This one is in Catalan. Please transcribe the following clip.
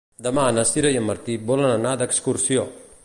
Demà na Sira i en Martí volen anar d'excursió.